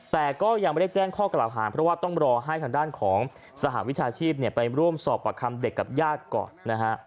แต่ก็ยังไม่ได้แจ้งข้อกล่าวหาเพราะว่าต้องรอให้ทางด้านของสหวิชาชีพไปร่วมสอบประคำเด็กกับญาติก่อนนะฮะ